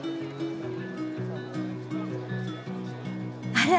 あら！